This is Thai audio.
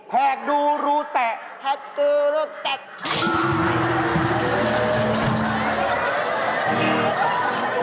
แฮกดูรูแตะแฮกดูรูแตะ